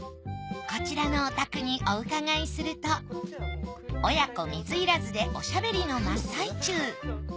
こちらのお宅にお伺いすると親子水入らずでおしゃべりの真っ最中。